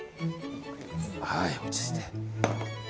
はい、落ち着いて。